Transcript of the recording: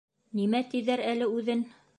Нимә тиҙәр әле үҙен?